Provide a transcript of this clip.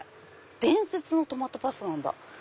伝説のトマトパスタなんだ。